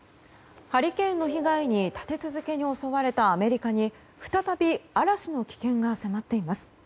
ハリケーンの被害に立て続けに襲われたアメリカに再び嵐の危険が迫っています。